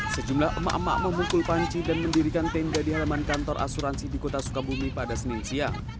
sejumlah emak emak memukul panci dan mendirikan tenda di halaman kantor asuransi di kota sukabumi pada senin siang